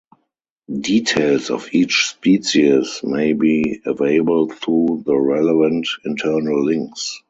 Details of each species may be available through the relevant internal links.